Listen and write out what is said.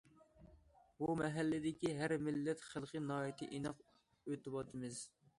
بۇ مەھەللىدىكى ھەر مىللەت خەلقى ناھايىتى ئىناق ئۆتۈۋاتىمىز.